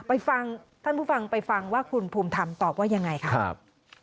ไปฟังท่านผู้ฟังไปฟังว่าคุณภูมิธรรมตอบว่ายังไงค่ะครับ